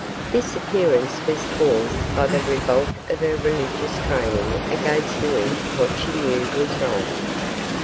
This appearance was caused by the revolt of her religious training against doing what she knew was wrong.